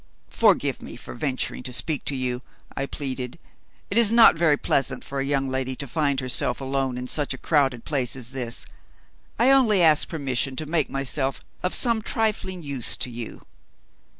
"Forgive me for venturing to speak to you," I pleaded. "It is not very pleasant for a young lady to find herself alone in such a crowded place as this. I only ask permission to make myself of some trifling use to you."